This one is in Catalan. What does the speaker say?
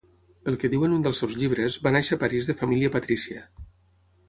Pel que diu en un dels seus llibres va néixer a París de família patrícia.